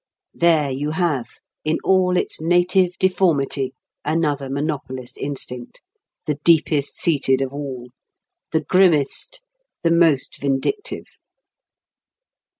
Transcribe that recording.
There you have in all its native deformity another monopolist instinct—the deepest seated of all, the grimmest, the most vindictive.